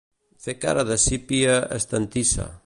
Fer cara de sípia estantissa.